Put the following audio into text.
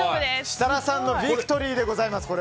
設楽さんのビクトリーでございます。